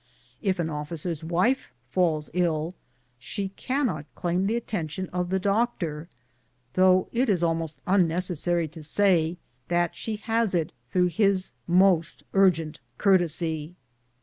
If an officer's wife falls ill she cannot claim the attention of the doctor, though it is almost unnecessary to say that she has it through his most urgent courtesy.